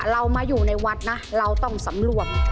เรามาอยู่ในวัดนะเราต้องสำรวม